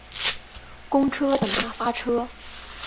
公车等他发车